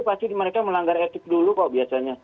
pasti mereka melanggar etik dulu kok biasanya